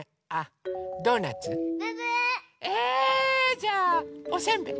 じゃあおせんべい！